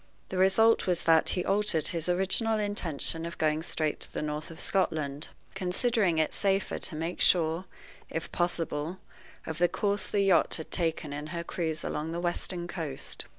The result was that he altered his original intention of going straight to the north of Scotland, considering it safer to make sure, if possible, of the course the yacht had taken in her cruise along the western coast.